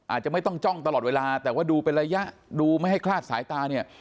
อาจจะไม่ต้องจ้องตลอดเวลาแต่ว่าดูเป็นระยะดูไม่ให้คลาดสายตาเนี่ย